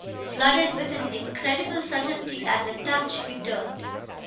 Flooded with an incredible certainty at the touch, he turned.